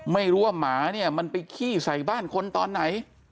ไม่รู้ว่าหมาเนี่ยมันไปขี้ใส่บ้านคนตอนไหน